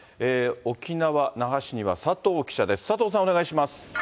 沖縄・那覇市には佐藤記者です。